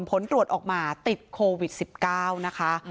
ผลตรวจออกมาติดโควิด๑๙นะคะ